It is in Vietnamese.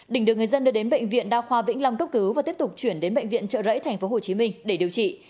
đình được người dân đưa đến bệnh viện đa khoa vĩnh long cấp cứu và tiếp tục chuyển đến bệnh viện trợ rẫy tp hcm để điều trị